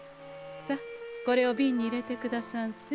さあこれをびんに入れてくださんせ。